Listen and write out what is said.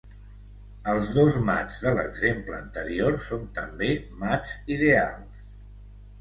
Els dos mats de l'exemple anterior són també mats ideals.